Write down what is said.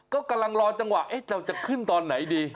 ก็กำลังรอจังหวะเราจะขึ้นตอนไหนดี